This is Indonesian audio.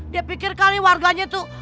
dia pikir kali warganya itu